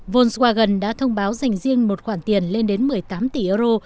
volkswagen đã thông báo dành riêng một khoản tiền lên đến một mươi tám tỷ euro